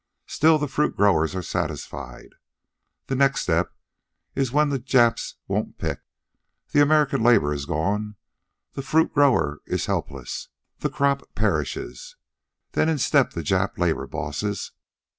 Still the fruit growers are satisfied. The next step is when the Japs won't pick. The American labor is gone. The fruit grower is helpless. The crop perishes. Then in step the Jap labor bosses.